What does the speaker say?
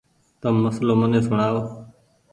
تم مسلو مني سوڻآئو۔